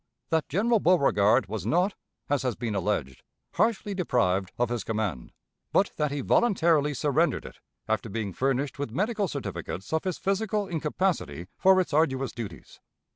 That General Beauregard was not, as has been alleged, harshly deprived of his command, but that he voluntarily surrendered it, after being furnished with medical certificates of his physical incapacity for its arduous duties.